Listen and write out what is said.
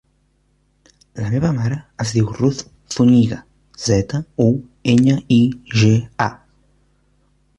La meva mare es diu Ruth Zuñiga: zeta, u, enya, i, ge, a.